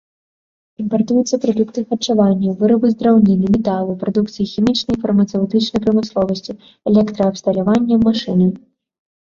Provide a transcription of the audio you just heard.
Імпартуюцца прадукты харчавання, вырабы з драўніны, металу, прадукцыя хімічнай і фармацэўтычнай прамысловасці, электраабсталяванне, машыны.